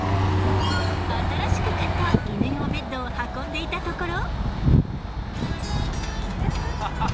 新しく買った犬用ベッドを運んでいたところ。